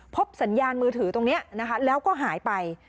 สัญญาณมือถือตรงนี้นะคะแล้วก็หายไป